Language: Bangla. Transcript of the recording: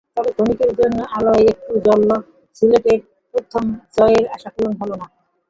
তবে ক্ষণিকের জন্য আলোই একটু জ্বলল, সিলেটের প্রথম জয়ের আশা পূরণ হলো না।